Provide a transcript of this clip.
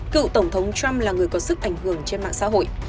cựu tổng thống trump là người có sức ảnh hưởng trên mạng xã hội